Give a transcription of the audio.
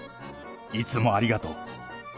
いつもありがとう。